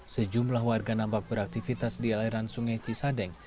sejumlah warga nampak beraktivitas di aliran sungai cisadeng